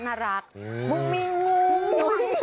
มุกมีงู